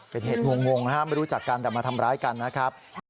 เป็นเหตุงงนะครับไม่รู้จักกันแต่มาทำร้ายกันนะครับ